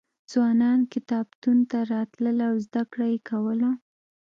ځوانان کتابتون ته راتلل او زده کړه یې کوله.